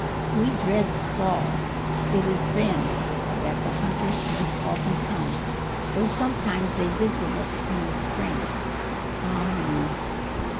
We dread the fall it is then that the hunters most often come, though sometimes they visit us in the spring. Ah me!"